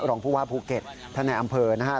รองผู้ว่าภูเก็ตท่านในอำเภอนะครับ